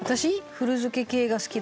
古漬け系が好きだから。